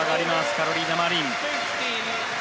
カロリナ・マリン。